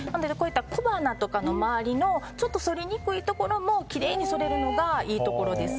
小鼻とかの周りのちょっとそりにくいところもきれいにそれるのがいいところです。